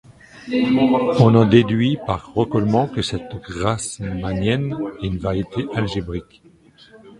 On en déduit par recollement que cette grassmannienne est une variété algébrique.